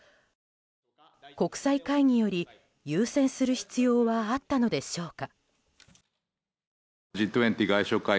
国際会議より優先する必要はあったのでしょうか。